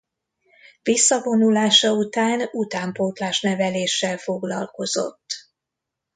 Visszavonulása után utánpótlás-neveléssel foglalkozott.